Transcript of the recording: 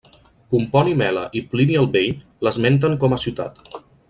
Pomponi Mela i Plini el Vell l'esmenten com a ciutat.